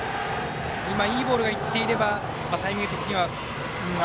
今、いいボールがいっていればタイミング的には。